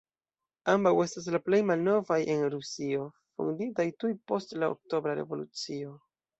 Ambaŭ estas la plej malnovaj en Rusio, fonditaj tuj post la Oktobra revolucio.